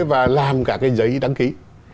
và làm cả cái giấy đăng ký